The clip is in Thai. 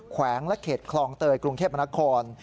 แขวงและเขตคลองเตยกรุงเทพมนาคม